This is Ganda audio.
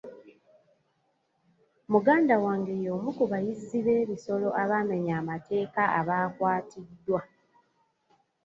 Muganda wange y'omu ku bayizzi b'ebisolo abamenya amateeka abaakwatiddwa.